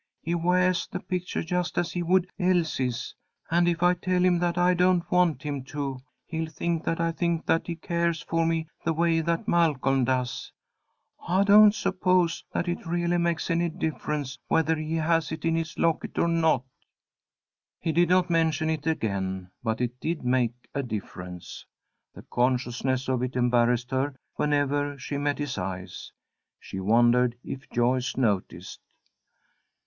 "He weahs the pictuah just as he would Elsie's, and if I tell him that I don't want him to, he'll think that I think that he cares for me the way that Malcolm does. I don't suppose that it really makes any difference whethah he has it in his locket or not." He did not mention it again, but it did make a difference. The consciousness of it embarrassed her whenever she met his eyes. She wondered if Joyce noticed.